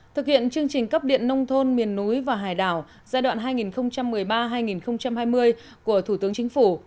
thực hiện chương trình cấp điện nông thôn miền núi và hải đảo giai đoạn hai nghìn một mươi ba hai nghìn hai mươi của thủ tướng chính phủ